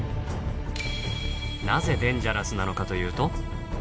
なぜデンジャラスなのかというと。